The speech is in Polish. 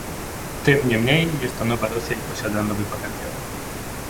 Tym niemniej jest to nowa Rosja i posiada nowy potencjał